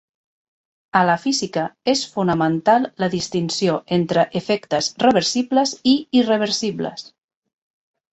A la física és fonamental la distinció entre efectes reversibles i irreversibles.